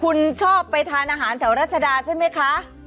คุณชอบไปทานอาหารแถวรัชดาใช่ไหมคะ